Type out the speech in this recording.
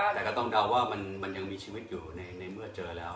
แต่ก็ต้องเดาว่ามันยังมีชีวิตอยู่ในเมื่อเจอแล้ว